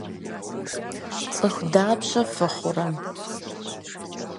Цӏыху дапщэ фыхъурэ?